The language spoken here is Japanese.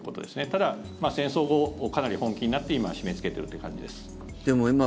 ただ、戦争後かなり本気になって今は締めつけているという感じです。